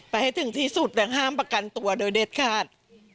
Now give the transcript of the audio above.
ให้ถึงที่สุดและห้ามประกันตัวโดยเด็ดขาด